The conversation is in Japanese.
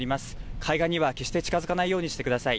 海岸には決して近づかないようにしてください。